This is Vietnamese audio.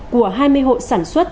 của hai mươi hội sản xuất